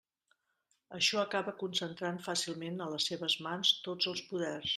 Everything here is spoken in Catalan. Això acaba concentrant fàcilment a les seves mans tots els poders.